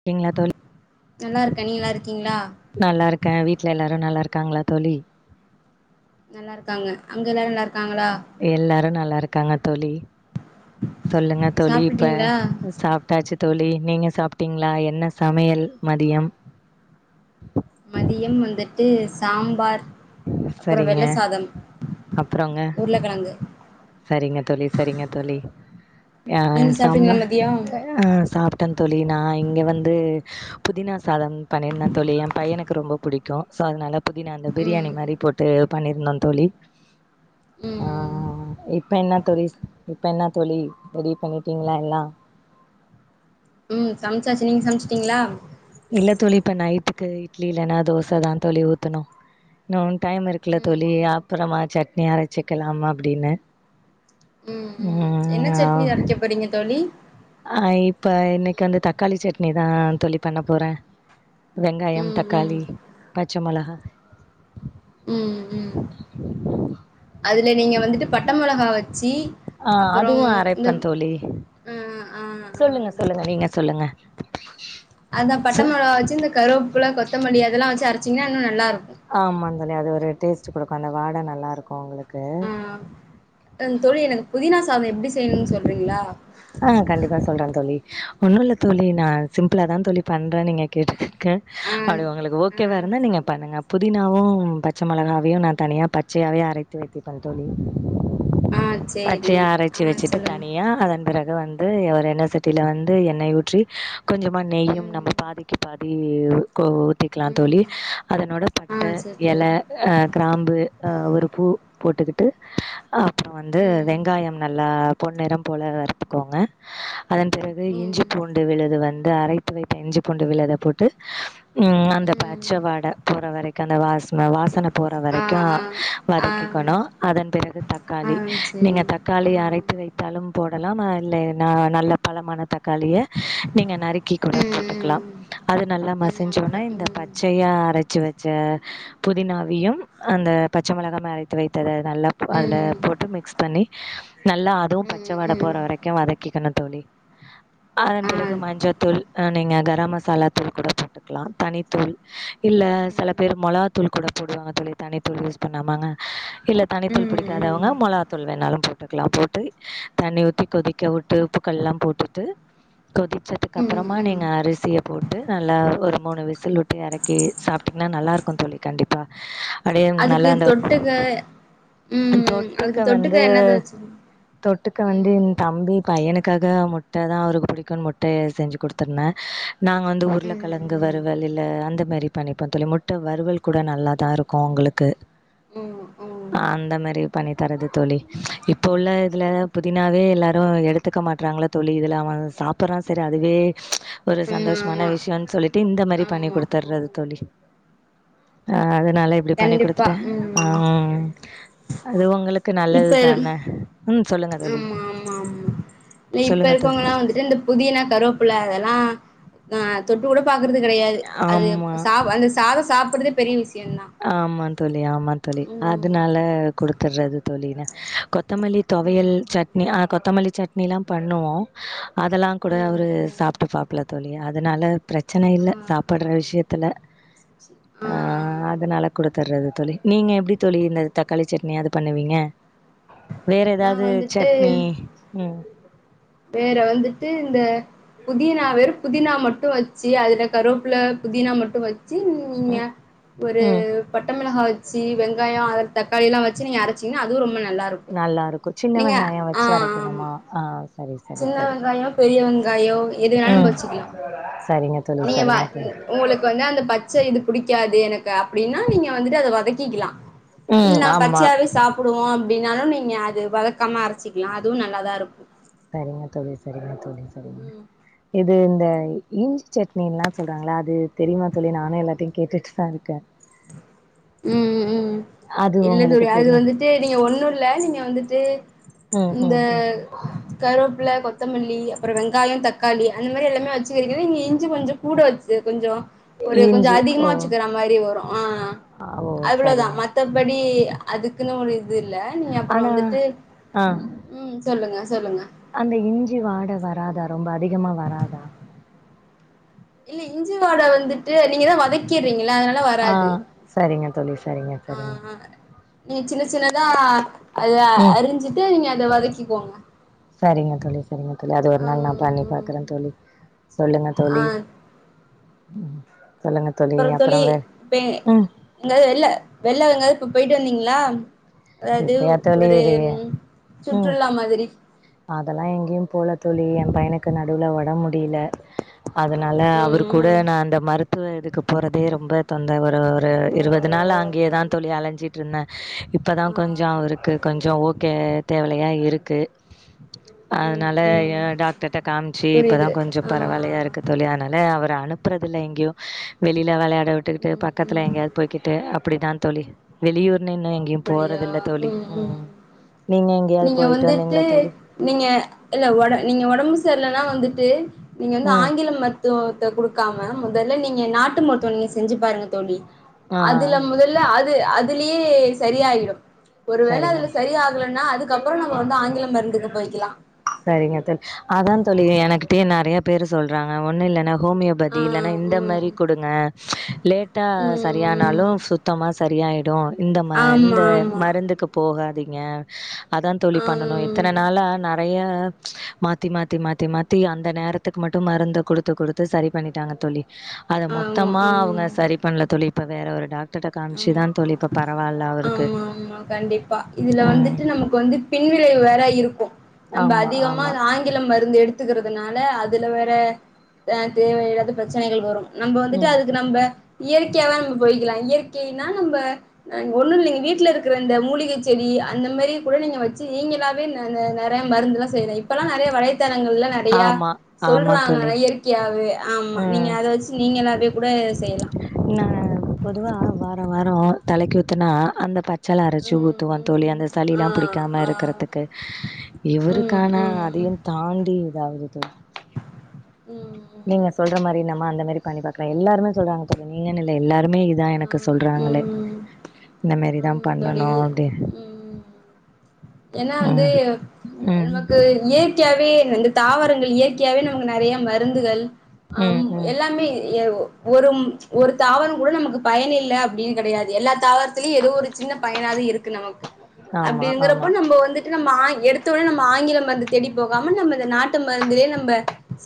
இருக்கீங்களா தோழி நல்லாருக்கே நீ நல்லாருக்கீங்களா நல்லாருக்கே வீட்ல எல்லாரு நல்லா இருக்காங்களா தோழி நல்லாருக்காங்க அங்க எல்லாரு நல்லாருக்காங்களா எல்லாரு நல்லாருக்காங்க தோழி சொல்லுங்க தோழி இப்ப சாப்ட்டுட்டீங்களா அ சாப் ட்டாச்சி தோழி நீங்க சாப்ட்டீங்களா என்ன சமையல் மதியம் மதியம் வந்துட்டு சாம்பார் அப்பற சரிங்க வெள்ள சாதம் அப்புறங்க உருளக்கெழங்கு சரிங்க தோழி சரிங்க தோழி ஆ நீங்க சாம்பா சாப்ட்டீங்களா மதியோ ஆ சாப்ட்டே தோழி நா இங்க வந்து புதினா சாதம் பண்ணிருந்தே தோழி எ பையனுக்கு ரொம்ப புடிக்கூ சோ அதுனால புதினா அந்த ம் பிரியாணி மாரி போட்டு பண்ணிருந்த தோழி ம் ஆ ம் இப்ப என்ன தோழிஸ் இப்ப என்ன தோழி ரெடி பண்ணிட்டீங்களா எல்லா ம் சம்ச்சாச்சு நீங்க சம்ச்சுட்டீங்களா இல்ல தோழி இப்ப நைட்டுக்கு இட்லி இல்லன்னா தோச தா தோழி ஊத்தணு இன்னு டைம் இருக்குல ம் தோழி ம் அப்புறமா சட்னி அரச்சிக்கலாமா அப்டின்னு [inaudible] ம் ம் என்ன ம் ஆ சட்னி அரைக்க போறீங்க தோழி ஆ இப்ப இன்னைக்கு வந்து தக்காளி சட்னி தா தோழி பண்ண போற வெங்காயம் ம் ம் தக்காளி பச்ச மெளகா [inaudible] ம் ம் அதுல நீங்க வந்துட்டு பட்ட மெளகா வச்சு ஆ அதுவு அப்பறம் இந்த அரைப்பே தோழி ஆ ஆ சொல்லுங்க ஆ சொல்லுங்க நீங்க சொல்லுங்க அதா பட்ட ச மெளகா வச்சு இந்த கருவேப்புல கொத்தமல்லி அதெல்லா வச்சு அரச்சிங்கன்னா இன்னு நல்லாருக்கூ ஆமாங்கல அது ஒரு டேஸ்ட் குடுக்கூ அந்த வாட நல்லாருக்கூ உங்களுக்கு ஆ என் தோழி எனக்கு புதினா சாதோ எப்டி செய்யணுன் சொல்றீங்களா ஆ கண்டிப்பா சொல்ற தோழி ஒண்ணு இல்ல தோழி நா சிம்பிளா தா தோழி பண்றே நீங்க கேட்டுக்கக ஆ அது உங்களுக்கு ஓக்கேவா இருந்தா நீங்க பண்ணுங்க புதினாவு பச்ச மெளகாவையு நா தனியா பச்சையாவே அரைத்து வைத்து கொள் தோழி ஆ சரி ஆ சேரி பச்சையா அரைச்சு ஆ வச்சிட்டு சொல்லுங்க அ அதன் பிறகு வந்து ஒரு என்ன சட்டியில வந்து எண்ணெய் ஊற்றி கொஞ்சமாக நெய்யும் ம் நம்ம பாதிக்கு பாதி கொ ஊத்திக்கலாம் தோழி ம் அதனோட ஆ பட்டை சேரி இல தோழி அ கிராம்பு ஒரு பூ போட்டுக்கிட்டு அப்புறோம் வந்து ம் வெங்காயம் நல்லா பொண்னெரம் போல வருத்துக்கோங்க அதன் பிறகு இஞ்சி ம் பூண்டு விழுது வந்து அரைத்து வைத்த இஞ்சி பூண்டு விழுத போட்டு உம் அந்த ம் பச்ச வாட போற வரைக்கும் அந்த வாச வாசனை போற ஆ வரைக்கும் ஆ ஆ வதைக் க்கணும் அதன் பிறகு ஆ தக்காளி நீங்க சேரி தக் தக்காளி ஆ அரைத்து வைத்தாலும் போடலாம் இல்லை ந நல்ல பலமான த க்காளிய நீங்க நறுக்கி கூட ம் போட்டுக்கலாம் ம் அது நல்லா ம் அப்ப மசிஞ்சோனா இந்த ம் பச்சயா அரச்சு வச்ச புதினாவியும் அந்த பச்சமெளகாய் அரைத்து வைத்தது நல்லா அதுல ம் போட்டு மிக்ஸ் பண்ணி நல்லா அதுவும் பச்ச ம் வாட ம் போற வரைக்கும் வதக்கிக்கணும் தோழி அதன் ஆ பிறகு மஞ்சள் தூள் நீங்க கரம் மசாலா தூள் கூட போட்டுக்கலாம் தனித்தூள் இல்ல ம் சில ம் பேர் மொளகா தூள் கூட போடுவாங்க தோழி தனித்தூள் யூஸ் பண்ணாமங்க இல்ல தனித்தூள் ம் ம் பிடிக்காதவங்க மொளகாதூள் வேணாலும் க்காம் போட்டு தண்ணி ஊத்தி கொதிக்க விட்டு உப்புக்கல்லாம் போட்டுட்டு கொதி ம் அதுக்கப்றமா ம் நீங்க அரிசிய போட் ட்டு நல்லா ஒரு மூணு விசில் விட்டு இறக்கி சாப்டீங்கன்னா நல்லா இருக்கும் தோழி கண்டிப்பா அப்டியே நல்லா அதுக்கு அந்த தொட்டுக்க ம் தொட்டுக்க அதுக்கு வந்து என்னது வச்சிரு தொட்டுக்க வந்து எ ம் தம்பி பையனுக்காக முட்டை தா அவருக்கு பிடிக்கும்னு முட்டை செஞ்சு குடுத் ருவே நாங்க வந்து உருளை ம் கெழங்கு ம் வருவல் இல்ல அந்த மாரி பண்ணிப்போம் தோழி முட்ட வறுவல் கூட நல்ல தா இருக்கும் உங்களுக்கு ம் ம் அந்த அந்த மாரி பண்ணி தற்ரது தோழி இப்ப உள்ள இதுல புதினாவே எல்லாரும் எடுத்துக்க மாட்றாங்களே தோழி இதுல அவே சாப்புறா சரி அதுவே ஒரு ம் சந்தோஷமான ஆமா விஷயம்னு சொல்லிட்டு இந்த மாதிரி பண்ணி ஆமா குடுத்துர்றது ம் தோழி அ அதுனால இப்டி பண்ணி கண்டிப்பா குடுத்துட்டே ம் உம் அது உங்களுக்கு க்கு நல்லது இப்ப தான உம் சொல்லுங்க தோழி இ இப்ப சொல்லுங்க தோ இருக்கவங்கல்லாம் வந்துட்டு இந்த புதினா கருவப்புள்ள அதெல்லாம் ஆ தொட்டு கூட பாக்குறது கெடையாது அது ஆமா சா அந்த சாதம் சாப்டுறதே பெரிய விஷயம்தா ஆமாாம் தோழி ஆமா தோழி அதுனால குடுத்துறது தோழின் கொத்தமல்லி ம் துவயல் சட்னி கொத்தமல்லி சட்னியிலாம் பண்ணுவோம் அதெல்லாம் கூட ம் அவரு ம் ம் சாப்ட்டு பாக்கல தோழி அதனால பிரச்சன ஆ இல்ல சாப்ற ஆ விஷயத்துல ஆ அதனால குடுத்தர்றது தோழி நீங்க எப்டி தோழி இந்த தக்காளி சட்னி அது பண்ணுவீங்க வேற நா எதாவது வந்துட்டு சட்னி உம் வேற வந்துட்டு இந்த புதினா வேறும் புதினா மட்டும் வச் வச்சு அதுல கருவப்பில புதினா மட்டும் வச்சு நீங்க ஒரு ம் பட்டமெளகா வச் ச்சு வெங்காயம் அதில் தக்காளில்லாம் வச்சு நீங்க அரச்சிங்கன்னா அதுவும் ரொம்ப நல்லாயிருக்கும் நல்லா இருக்கும் சின்ன வெங்காயம் வச்சு ஆமா அரைக்கணுமா ஆ சரி சரி சின்ன சரி வெங்காயம் பெரிய வெங்காயம் எது வேணாலும் ம் வச்சுக்கலாம் சரிங்க தோழி நீமா சரிங்க இ தோழி உங்களுக்கு வந்து அந்த பச்சை இது புடிக்காது எனக்கு அப்டின்னா நீங்க வந்துட்டு அத வதக்கிக்கலாம் இல்ல ம் நாங்க ஆமா பச்சயாவவே சாப்டுவோம் அப்டின்னாலும் நீங்க அது வதக்காம அரச்சிக்கலாம் அதுவும் நல்லாதா இருக்கும் சரிங்க தோழ சரிங்க தோழி சரிங்க ம் இப் அது இந்த இஞ்சி சட்னின்ல்லா சொல்றாங்களா அது தெரியுமா தோழி நானும் எல்லாத்தையும் கேட்டுட்டு தான் இருக்க உம் உம் உம் அது இல்ல தோழி உங்களுக்கு அது தெரியு வந்து தே நீங்க ஒன்னும் இல்ல நீங்க வந்துட்டு ம் இந்த ம் ம் கருவேப்புல கொத்தமல்லி அப்புறம் வெங்காயம் தக்காளி அந்த மாதிரி எல்லாமே வச்சுக்கிறக்க நீங்க இஞ்சி கொஞ்சம் கூட வச்சுது கொஞ்சோ ஒரு இஞ்சி கொஞ்சம் ஓ அதிகமா வச்சுக்கிற மாரி வரும் ஆ ஆ ஓ அவ்ளோதா சரிங்க மத்தபடி அதுக்குன்னு ஒரு இது இல்ல நீங்க அப்புறம் ஆனா வந்துட்டு ஆ ம் சொல்லுங்க சொல்லுங்க அந்த இஞ்சி வாட வராதா ரொம்ப அதிகமா வராதா இல்ல இஞ்சி வாட வந்துட்டு நீங்க தா வதக்கிட்றீங்கள அதனால ஆ வராது சரிங்க தோழி சரிங்க ஆ சரிங்க நீங்க சின்ன சின்னதா அத ம் அறிஞ்சுட்டு நீங்க அத வதக்கிக்கோங்க சரிங்க தோழி சரிங்க தோழி அது ஒரு நாள் நா ம் பண்ணி ம் பாக்குற தோழி சொல்லுங்க ஆ தோழி சொல்லுங்க தோழி அப்புறோ அப்புறம் வேற இப்ப ம் எங்காவது வெள்ள வெள்ள எங்காவது இப்ப போயிட்டு வந்தீங்களா அதாவது இப்பயா தோழி ஒரு இது சுற்றுலா மாதிரி அதெல்லாம் எங்கேயும் போல தோழி என் பையனுக்கு நடுவுல உடம்பு முடியல அதனால அவரு ம் கூட ம் நா அந்த மருத்துவ இதுக்கு போறதே ரொம்ப தொந்த ஒரு ஒரு ஓ இருவது நாள் ஆங்க அங்கேதா அப்படி தோழி அலைஞ்சி ட்ருந்த இப்பதா ஆ கொஞ்சம் இருக்கு கொஞ்சம் ஓகே தேவலையா இருக்கு ம் அதனால ம் டாக்டர்ட்ட காமிச்சு புரியுது இப்பதான் கொஞ்சம் ஆ பரவாயில்லையா இருக்கு தோழி அதனால அவர அனுப்புறதுல்ல எங்கயும் வெளியில வெளையாட வுட்டுக்கிட்டு ம் பக்கத்துல ம் எங்கயாவது போய்கிட்டு அப்படிதான் தோழி வெளியூர் இன்னு இன்னு எங்கயும் போறதில்ல தோழி ம் நீங்க எங்கயாவது நீங்க போயிட்டு வந்துட்டு வந்தீங்களா தோழி நீங்க இல்ல உட நீங்க உடம்பு சரியில்லனா வந்துட்டு நீங்க வந்து ம் ஆங்கில மரு த்துவத்த குடுக்காம மொதல்ல நீங்க நாட்டு மருத்துவம் நீங்க செஞ்சு பாருங்க தோழி ஆ அதுல முத இல்ல அது அதுலயே சரியாகிடும் ஒரு வேள அதுல சரிங்க சரியாகலனா அதுக்கப்புறம் நம்ப வந்து ஆங்கில மருந்துக்கு போய்க்கிலாம் சரிங்க தோழி அதான் தோழி எனகிட்டயே நெறையா பேரு சொல்றாங்க ஒன்னும் இல்லன்னா ஹோமியோ பதி ஆ இல்லன்னா இந்த ம் மாரி குடுங்க லேட்டா ம் சரியானாலும் சுத்தமா சரியாயிடும் இந்த ம ஆமா இந்த ஆமா மருந்துக்கு போகாதீங்க அதான் தோழி பண்ணணும் ஆம் இத்தன நாளா நா நெறய மாத்தி மாத்தி மாத்தி மாத்தி அந்த நேரத்துக்கு மட்டும் மருந்த குடுத்து குடுத்து து சரி பண்ணிட்டாங்க தோழி அத ஆமா மொத்தமா அவுங்க ம் சரி பண்ணல தோழி இப்ப வேற ஒரு டாக்டர் கிட்ட ம் காமிச்சுதான் தோழி இப்ப பரவாயில்ல அவருக்கு ஆமா கண்டிப் பா இதுல ம். வந்துட்டு நமக்கு வந்து பின்விளைவு வேற இருக்கும் நம்ப ஆமா, அதிகமா ஆமா. ஆங் ஆங்கிலம் மருந்து எடுத்துக்கறதுனால அதுல வேற ஆ தேவையில்லாத பிரச்சனைகள் வரும் நம்ப வந்துட்டு ம். அதுக்கு நம்ப இயற்கையா தான் நம்ப போயிக்கலாம் இயற்கைன்னா நம்ப ஒன்னும் இல்ல நீங்க வீட்டுல இருக்குற இந்த மூலிகை செடி அந்த மாதிரி கூட நீங்க வச்சு நீங்களா வே நானு நெறையா மருந்தெல்லாம் செய்ற இப்பல்லாம் நெறையா வலைத்தளங்கள்ல நெறையா ஆமா ஆமா சொல்றாங்க தோழி இயற் இயற்கையாவே ஆமா நீங்க ம் அத வச்சு நீங்களாவே கூட செய்லாம் நா பொதுவா வாரம் வாரம் தலைக்கு ஊத்துனா அந்த பச் செல அரைச்சு ம் ஊத்துவோ தோழி ம். அந்த ஆ சளிலா புடிக்காம ஆ. இருக்கறத்துக்கு ம் இவருக் ஆனா ம் ம் அதையூ தாண்டி இதாவது தோழி ம் நீங்க சொல்ற மாரி என்னமே அந்த மாரி பண்ணி பாக்கலா எல்லாருமே சொல்றாங்க தோழி நீங்கனனூ இல்ல எல்லாருமே இதா எனக்கு சொல்றாங்களே இந்த மேர் ஆமாங் தோழி ம் ஏன்னா வந்து ம் எம் ம் மக்களுக்கு ஏப் இயற்கையாவே இந்த தாவரங்கள் இயற்கையாவே நமக்கு நறையா மருந்துகள் ம் ஆம் ம் எல்லாமே ஏ ஓ ஒரும் ஒரு தாவரம் கூட நமக்கு பயன் இல்ல அப்படின்னு கெடையாது எல்லாத் தாவர்த் திலியூ ஏதோ ஒரு சின்ன பயனாது இருக்கு நமக்கு ஆமா அப்படிங்கறப்ப ஆமா நம்ப வந்து நம்ம ஆ எடுத்தோனே நம்ம ஆங்கில மருந்து தேடி போகாம நம்ப இந்த நாட்டு மருந்துலே நம்ப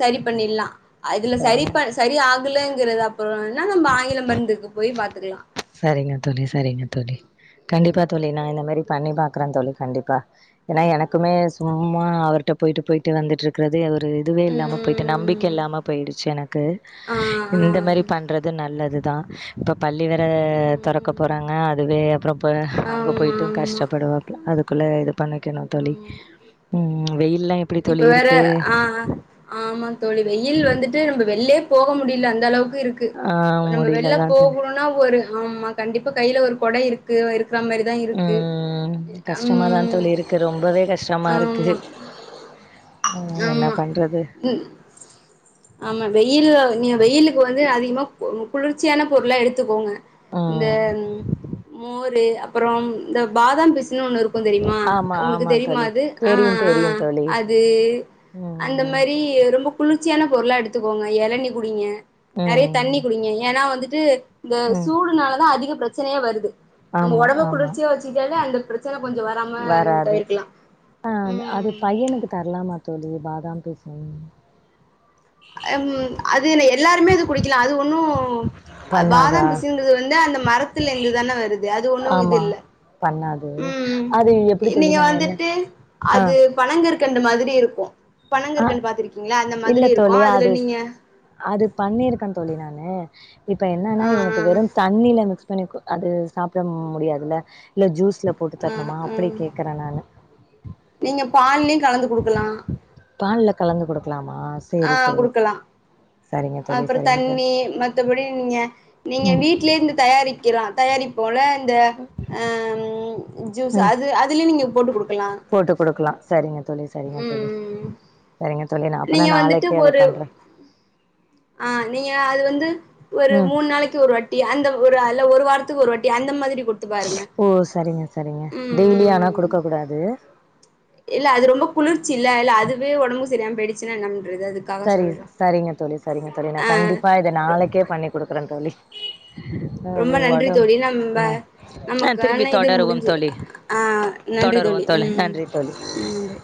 சரி பண்ணிர்லா அ இதுல சரிங்க சரிப்பன் சரி ஆகலங்கறது அப்புறம்னா நம்ப ஆங்கில மருந்துக்கு போய் பாத்துக்கலா சரிங்க தோழி சரிங்க தோழி கண்டிப்பா தோழி நா இந்த மாரி பண்ணி பாக்குறே தோழி கண்டிப்பா ஏன்னா எனக்குமே சும்மா அவர்ட போயிட்டு போயிட் வந்துட்டு இருக்கறதே அது ஒரு இதுவே ம். இல்லாம போயிட்டு நம்பிக்க ம். இல்லாம போயிடுச்சு எனக்கு ஆ ஆ. இந்த மாதிரி பண்றது நல்லது தா இப்ப பள்ளி வோற ம் தொறக்க ம். போறாங்க அதுவே அப்புறம் ப அங்க ஆமா போயிட்டூ ஆமா கஷ்டப் படுவாப்புல அதுக்குள்ளே இது பண்ணிக்கணணோ தோழி ஆமா. ம் வெயில்லா எப் இப்ப வேற அ ஆ ஆமா தோழி வெயில் வந்துட் டு நம்ப வெள்லே போக முடில அந்த அளவுக்கு இருக்கு ஆ நம்ப வெள்ல முடியலதா தோழி போகணும்னா ஒரு ஆமா கண்டிப்பா கையில ஒரு கொடை இருக்கு இருக்குறா மேரி இதா இருக்கு ம் கஷ்டமாதா அம் தோழி இருக்கு ரொம்பவே கஷ்டமா ஆமா இருக்கு ஆ என்ன ஆமா பண்றது ன் ஆமா வெயில் நீங்க வெயிலுக்கு வந்து அதிகமா குளிர்ச்சியான பொருள்ளா எடுத்துக்கோங்க இந்த ம் மோரு அப்புறோ இந்த பாதாம் பிஸ் ‌இன்னோ ஒண்ணு இருக்குந் தெரியுமா ஆமா உங்களுக்கு ஆமா தெரியுமா தோழி அது ஆ தெரியு ஆ தெரியு தோழி அத் து அந்த ம் மாரி ரொம்ப குளிர்ச்சியான பொருளா எடுத்துக்கோங்க இளணி குடிங்க நெறய தண்ணி ம் குடிங்க ஏன்னா வந்துட்டு இந்த ம் சூடுனாலதா அதிக பிரச்சனையே வருது நம்ம ஆமா ஒடம்பு ஆமா குளிர்ச்சியா வச்சிட்டாலே அந்த பிரச்சன கொஞ்சொ வராம நம்ம வராது தவிர்க்கலா ஆ அது அது ம் பையனுக்கு தரலாமா தோழி பாதாம் பிஸின் ஹம் அது ஏன் எல்லாருமே அது குடிக்கலா அது ஒண்ணூ பாதா பண்ணாதா பிசின்ங்கறது வந்து அந்த மரத்துல இருந்துதா வருது அது ஒன்னூ இது ஆமா இல்ல பண்ணாது ம் அது எப்டி தோழி நீங்க நா என்ன வந்துட்டு ஆ அது பனங்கற்கண்டு மாதிரி இருக்கூ ஆ பனங்கற்கண்டு பாத்திருக்கீங்களா அந்த இல்ல மாதிரி இருக் தோழி அது அது பண்ணிருக்கே தோழி நானு இப்ப என்னன்னா ஆ இவனுக்கு வெறு தண்ணில மிக்ஸ் கட் பண்ணி அது சாப்பிட முடியாதுல இல்ல ஜூஸ்ல போட்டு ஆ தரணுமா ஆ அப்டி கேக்ற நானு நீங்க பால்லயயூ கலந்து கொடுக்கலா பால்ல கலந்து குடுக்கலாமா ஆ சேரி சேரி கொடுக்கலா சரிங்க தோழி அப்புறோ சரிங்க தோழி தண்ணி மத்தபடி நீங்க நீங்க ம் வீட்லயே இருந்து தயாரிக்கலா தயாரிப்பு போல இந்த ஆம் ஜூஸ் ம் அது அதுலயூ நீங்க போட்டு கொடுக்கலா போட்டு கொடுக்கலா சரிங்க தோழி சரிங்க தோழி ம் சரிங்க தோழி நா அப்பனா நீங்க வந்துட்டு நாளைக்கே அது ஒரு பண்ற ஆ நீங்க அது வந்து ஒரு ம் மூணு நாளைக்கு ஒரு வாட் டி அந்த ஒரு அல்ல ஒரு வாரத்துக்கு ஒரு வாட்டி அந்த மாரி குடு ஓ சரிங்க சரிங்க டெய்லி ம் ஆனா ம் குடுக்க கூடாது இல்ல அது ரொம்ப குளிர்ச்சில்ல இல்ல அதுவே ஒடம்பு சரி இல்லாம போயிடுச்சுனா என்ன பண்றது அதுக் சரிங்க சிஸ் சரிங்க தோழி சரிங்க தோழி நா ஆ கண்டிப்பா இத நாளைக்கே பண்ணி குடுக்குற தோழி அது ரொம்ப நன்றி வடொ தோழி நம்ப நா ஆ திரும்பி நமக்கான இது தொடருவோ முடிஞ்சு தோழி ஆ நன்றி தொடருவோ தோழி தோழ ம் நன்றி தோழி ம் நன்றி